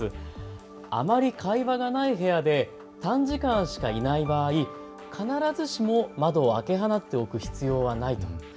あまり会話がない部屋で短時間しかいない場合、必ずしも窓は開け放っておく必要はないと。